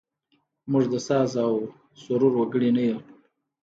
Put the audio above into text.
موږ د ساز او سرور وګړي نه یوو.